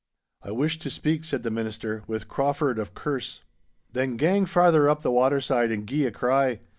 'I wish to speak,' said the Minister, 'with Crauford of Kerse.' 'Then gang farther up the waterside and gie a cry.